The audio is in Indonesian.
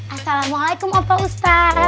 assalamualaikum opa ustadz